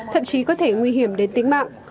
thậm chí có thể nguy hiểm đến tính mạng